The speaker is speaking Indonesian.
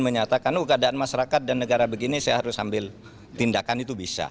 menyatakan keadaan masyarakat dan negara begini saya harus ambil tindakan itu bisa